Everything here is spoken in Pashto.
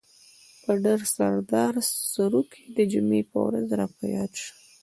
د ډر سردار سروکی د جمعې په ورځ را په ياد شو.